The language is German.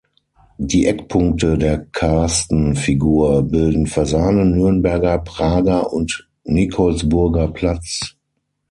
Die Eckpunkte der Carstenn-Figur bilden Fasanen-, Nürnberger, Prager und Nikolsburger Platz.